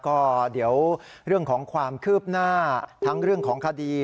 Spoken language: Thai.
ก็เดี๋ยวเรื่องของความคืบหน้าทั้งเรื่องของคดี